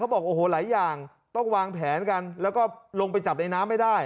บอกโอ้โหหลายอย่างต้องวางแผนกันแล้วก็ลงไปจับในน้ำไม่ได้